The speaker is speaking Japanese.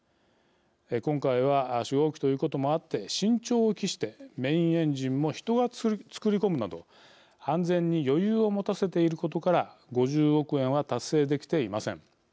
今回は初号機ということもあって慎重を期してメインエンジンも人が作り込むなど安全に余裕を持たせていることから５０億円は達成できていません。